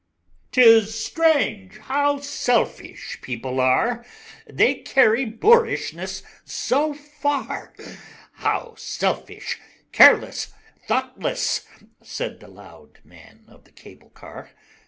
III "'Tis strange how selfish people are, They carry boorishness so far; How selfish, careless, thoughtless," said The Loud Man of the cable car.